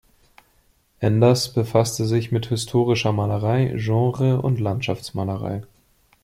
Enders befasste sich mit historischer Malerei, Genre- und Landschaftsmalerei.